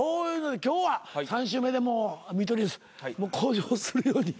今日は３週目でもう見取り図向上するように。